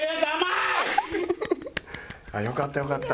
よかったよかった。